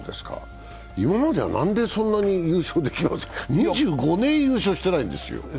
今までは何でそんなに優勝できなかったんです、２５年優勝してないんですよ。